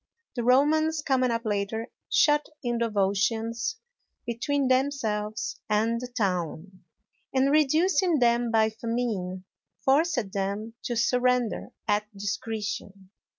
The Romans, coming up later, shut in the Volscians between themselves and the town, and, reducing them by famine, forced them to surrender at discretion.